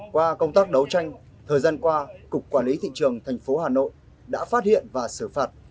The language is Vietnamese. qua công tác đấu tranh thời gian qua cục quản lý thị trường thành phố hà nội đã phát hiện và xử phạt